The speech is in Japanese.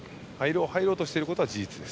入ろうとしていることは事実です。